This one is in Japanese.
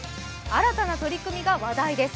新たな取り組みが話題です。